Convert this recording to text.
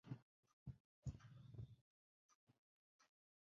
De frou rôp dat de plysje belle wie en dêrop naaiden de dieders út.